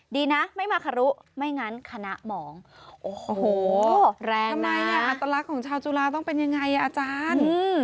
ดีนะไม่มาขะลุไม่งั้นคณะหมองโอ้โหแรงน่ะอัตลักษณ์ของชาวจุฬาต้องเป็นยังไงอาจารย์อืม